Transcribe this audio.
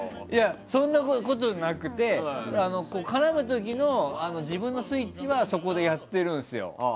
そんなことなくて絡む時の自分のスイッチはそこでやってるんですよ。